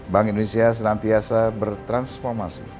bank indonesia senantiasa bertransformasi